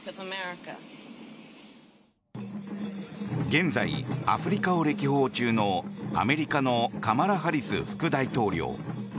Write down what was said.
現在、アフリカを歴訪中のアメリカのカマラ・ハリス副大統領。